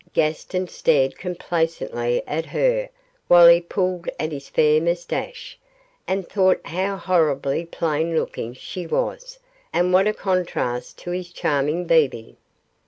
Gaston stared complacently at her while he pulled at his fair moustache, and thought how horribly plain looking she was, and what a contrast to his charming Bebe.